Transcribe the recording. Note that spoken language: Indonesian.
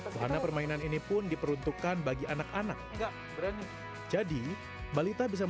bahana permainan ini pun diperuntukkan bagi anak anak